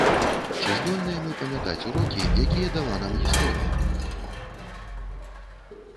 Ці здольныя мы памятаць урокі, якія дала нам гісторыя?